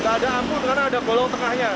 gak ada angkot karena ada golong tengahnya